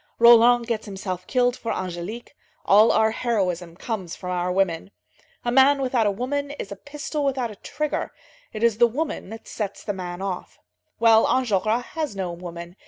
Roland gets himself killed for Angélique; all our heroism comes from our women. A man without a woman is a pistol without a trigger; it is the woman that sets the man off. Well, Enjolras has no woman.